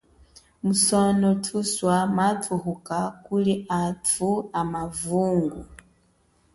Musono thuswa mathuka kuli athu amavungo.